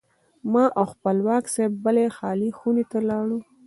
ما او خپلواک صاحب بلې خالي خونې ته لاړو.